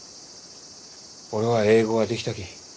俺は英語ができたき。